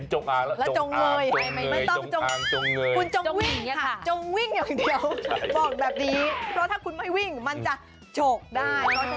จงวิ่งอย่างเดียวบอกแบบนี้เพราะถ้าคุณไม่วิ่งมันจะโฉกได้